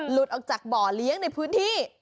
หลุดออกจากบ่อเลี้ยงในพื้นที่